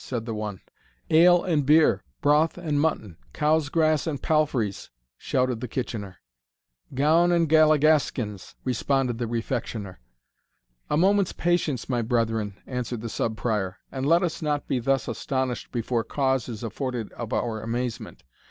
said the one. "Ale and beer broth and mutton cow's grass and palfrey's!" shouted the Kitchener. "Gown and galligaskins!" responded the Refectioner. "A moment's patience, my brethren," answered the Sub Prior, "and let us not be thus astonished before cause is afforded of our amazement.